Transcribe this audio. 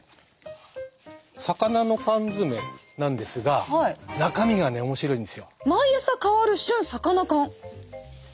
魚の缶詰なんですが中身がね面白いんですよ。